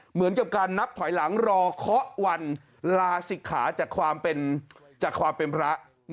เหมือนกับการนับถอยหลังรอข้อวันลาสิกขาจากความเป็นพระ